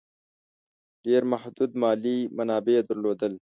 ډېر محدود مالي منابع درلودل.